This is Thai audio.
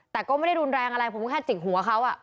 แต่ก็ไม่ได้รุนแรงอะไรผมก็แค่จิกหัวเขา